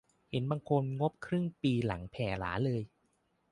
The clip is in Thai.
เห็นบางคนงบครึ่งปีหลังแผ่หราเลย